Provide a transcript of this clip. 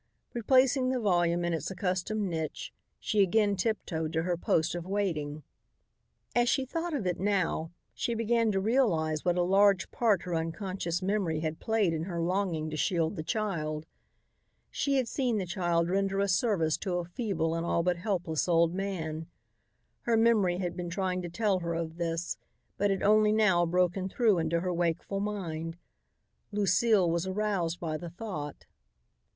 Replacing the volume in its accustomed niche, she again tiptoed to her post of waiting. As she thought of it now, she began to realize what a large part her unconscious memory had played in her longing to shield the child. She had seen the child render a service to a feeble and all but helpless old man. Her memory had been trying to tell her of this but had only now broken through into her wakeful mind. Lucile was aroused by the thought.